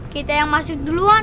kita yang masuk duluan